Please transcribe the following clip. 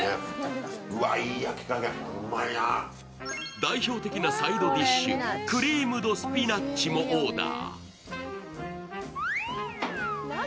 代表的なサイドディッシュ、クリームドスピナッチもオーダー。